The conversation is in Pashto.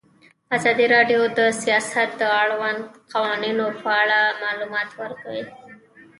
ازادي راډیو د سیاست د اړونده قوانینو په اړه معلومات ورکړي.